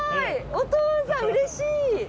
お父さんうれしい。